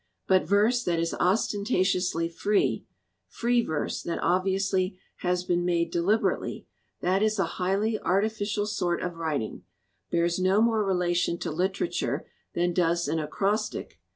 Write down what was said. But verse that is ostentatiously free free verse that obviously has been made de liberately that is a highly artificial sort of writing, bears no more relation to literature than does an acrostic.